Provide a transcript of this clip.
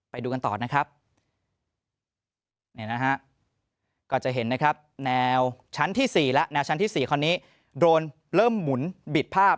ไปดูกันต่อนะครับก็จะเห็นนะครับแนวชั้นที่๔แล้วแนวชั้นที่๔คราวนี้โดรนเริ่มหมุนบิดภาพ